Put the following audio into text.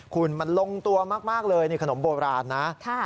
คุณมันลงตัวมากเลยนี่ขนมโบราณนะ